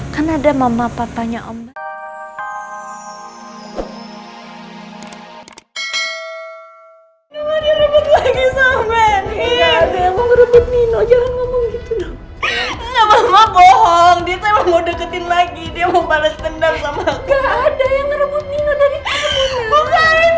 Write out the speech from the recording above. kan ada mama papanya om baik